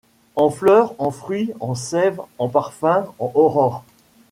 En fleurs, en fruits, en sève, en pàrfum, en aurore